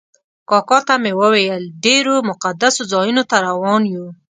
کاکا ته مې وویل ډېرو مقدسو ځایونو ته روان یو.